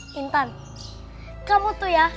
nintan kamu tuh ya